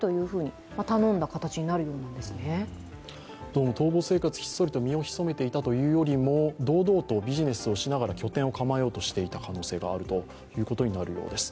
どうも逃亡生活、ひっそりと身を潜めていたというよりも堂々とビジネスをしながら拠点を構えようとしていた可能性があるということのようです。